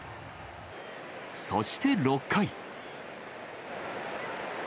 そして６回。